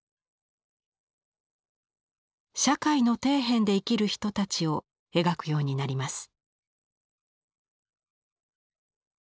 社会の底辺で生きる人たちを描くようになります。